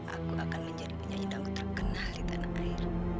aku akan menjadi penyanyi tangguh terkenal di tanah air